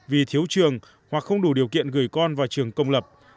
vì thiếu trường hoặc không đủ điều kiện gửi con vào trường công lập